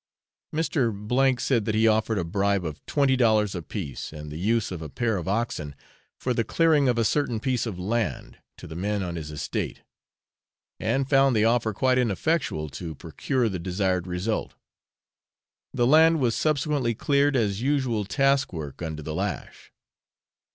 Mr. said that he had offered a bribe of twenty dollars apiece, and the use of a pair of oxen, for the clearing of a certain piece of land, to the men on his estate, and found the offer quite ineffectual to procure the desired result; the land was subsequently cleared as usual task work under the lash.